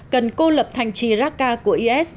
cần cô lập thành chiraka của is